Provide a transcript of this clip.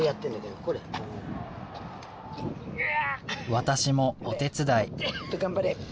私もお手伝い。